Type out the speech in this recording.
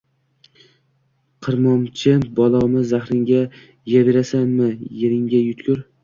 Qirmochmi, balomi, zahringga yeyavermaysanmi, yergina yutkur!